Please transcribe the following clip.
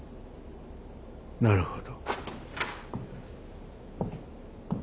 なるほど。